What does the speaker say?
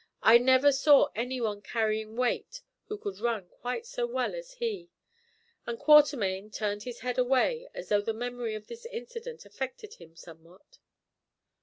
I never saw any one carrying weight who could run quite so well as he," and Quatermain turned his head away as though the memory of this incident affected him somewhat.